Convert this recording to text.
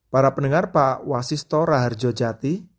para pendengar pak wasisto raharjojati